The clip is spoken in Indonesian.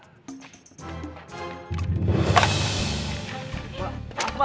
eh itu kan pesanan saya